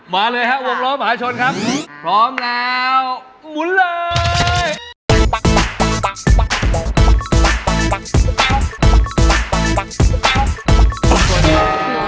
มาเลยครับวงล้อมหาชนครับพร้อมแล้วหมุนเลย